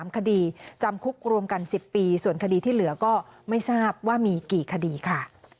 ๓คดีจำคุกรวมกัน๑๐ปีส่วนคดีที่เหลือก็ไม่ทราบว่ามีกี่คดีค่ะ